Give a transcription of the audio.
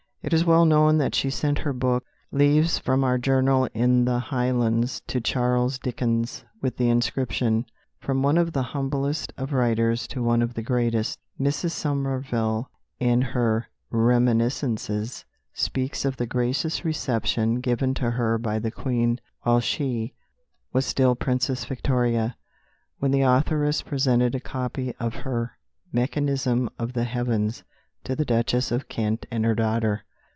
It is well known that she sent her book, Leaves from our Journal in the Highlands, to Charles Dickens, with the inscription, "From one of the humblest of writers to one of the greatest." Mrs. Somerville, in her Reminiscences, speaks of the gracious reception given to herself by the Queen while she was still Princess Victoria, when the authoress presented a copy of her Mechanism of the Heavens to the Duchess of Kent and her daughter.